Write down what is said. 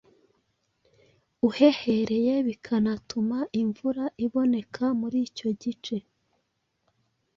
uhehereye, bikanatuma imvura iboneka muri icyo gice.